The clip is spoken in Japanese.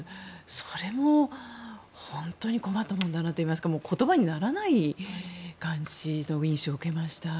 それも本当に困ったものだなというか言葉にならない印象を受けました。